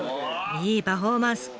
いいパフォーマンス！